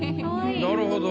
なるほど。